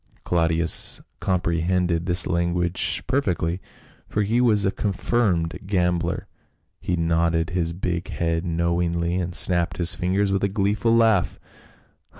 Claudius comprehended this language perfectly, for he was a confirmed gambler. He nodded his big 216 PA UL. head knowingly and snapped his fingers with a gleeful laugh.